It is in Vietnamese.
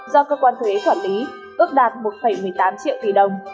do cơ quan thuế quản lý ước đạt một một mươi tám triệu tỷ đồng